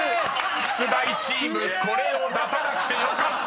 ［出題チームこれを出さなくてよかった！］